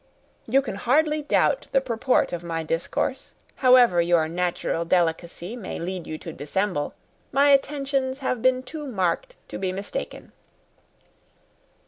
You can hardly doubt the purport of my discourse, however your natural delicacy may lead you to dissemble; my attentions have been too marked to be mistaken.